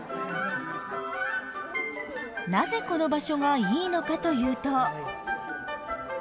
なぜこの場所がいいのかというと。